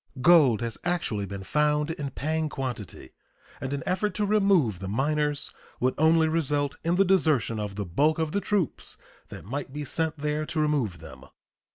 Gold has actually been found in paying quantity, and an effort to remove the miners would only result in the desertion of the bulk of the troops that might be sent there to remove them.